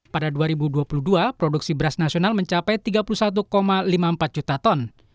pada dua ribu dua puluh dua produksi beras nasional mencapai tiga puluh satu lima puluh empat juta ton